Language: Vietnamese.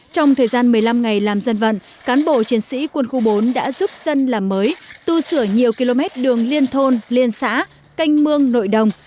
trong thời gian một mươi năm ngày làm dân vận cán bộ chiến sĩ quân khu bốn đã giúp dân làm mới tu sửa nhiều km đường liên thôn liên xã canh mương nội đồng